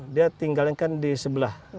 dia tinggal kan di sebelah